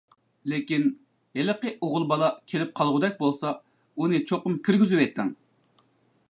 لېكىن، ھېلىقى ئوغۇل بالا كېلىپ قالغۇدەك بولسا، ئۇنى چوقۇم كىرگۈزۈۋېتىڭ.